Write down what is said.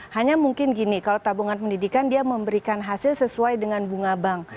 hanya mungkin gini kalau tabungan pendidikan dia memberikan hasil sesuai dengan bunga bank